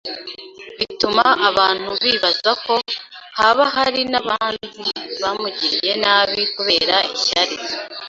bituma abantu bibaza ko haba hari n'abanzi bamugiriye nabi kubera ishyari.